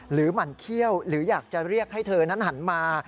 หมั่นเขี้ยวหรืออยากจะเรียกให้เธอนั้นหันมา